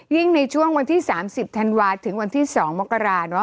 ในช่วงวันที่๓๐ธันวาถึงวันที่๒มกรา